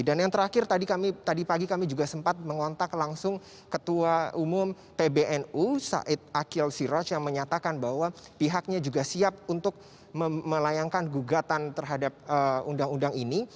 dan yang terakhir tadi pagi kami juga sempat mengontak langsung ketua umum pbnu said akil siraj yang menyatakan bahwa pihaknya juga siap untuk melayangkan gugatan terhadap undang undang ini